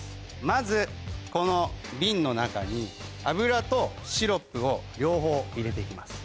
まずこの瓶の中に油とシロップを両方入れて行きます。